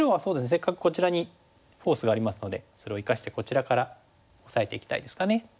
せっかくこちらにフォースがありますのでそれを生かしてこちらからオサえていきたいですかね。